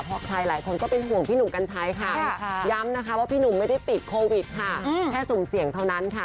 เพราะใครหลายคนก็เป็นห่วงพี่หนุ่มกัญชัยค่ะย้ำนะคะว่าพี่หนุ่มไม่ได้ติดโควิดค่ะแค่สุ่มเสี่ยงเท่านั้นค่ะ